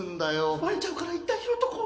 バレちゃうからいったん拾っとこう